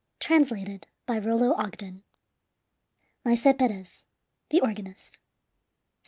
Translated by Rollo Ogden. MAESE PEREZ, THE ORGANIST I.